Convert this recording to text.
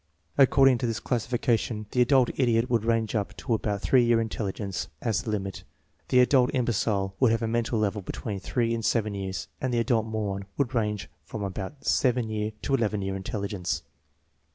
According to this classification the adult idiot would range up to about 3 year intelligence as the limit, the adult imbecile would have a mental level between 3 and 7 years, and the adult moron would range from about 7 year to 11 year intelligence.